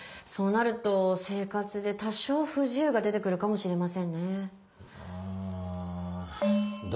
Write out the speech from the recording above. そうなると生活で多少不自由が出てくるかもしれませんね。